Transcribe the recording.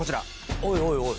おいおいおい。